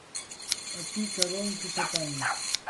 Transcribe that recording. ¡Aquí cada un que se apañe!